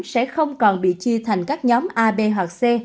sẽ không còn bị chia thành các nhóm a b hoặc c